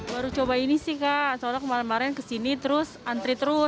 baru coba ini sih kak soalnya kemarin kemarin kesini terus antri terus